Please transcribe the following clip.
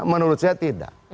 menurut saya tidak